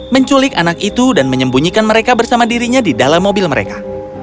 menculik anak itu dan menyembunyikan mereka bersama dirinya di dalam mobil mereka